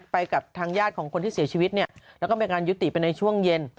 ไปกับทางญาติของคนที่เสียชีวิตเนี่ยแล้วก็มีการยุติไปในช่วงเย็น